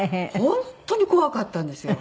本当に怖かったんですよ。